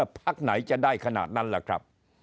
พักไหนจะได้ขนาดนั้นล่ะครับ